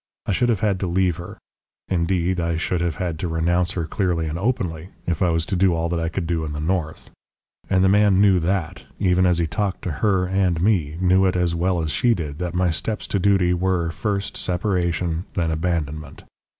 I should have had to leave her; indeed, I should have had to renounce her clearly and openly, if I was to do all that I could do in the north. And the man knew THAT, even as he talked to her and me, knew it as well as she did, that my steps to duty were first, separation, then abandonment.